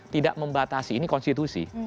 tidak membatasi ini konstitusi